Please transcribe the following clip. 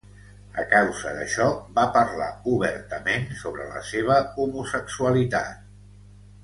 A causa d'això, va parlar obertament sobre la seva homosexualitat.